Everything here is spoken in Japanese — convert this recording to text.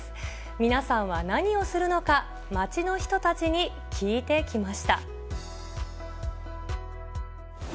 皆さんは何をするのか、街の人たちに聞いてきました。